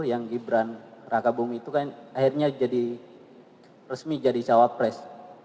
yang gibran raka bumi itu kan akhirnya jadi resmi jadi cawapres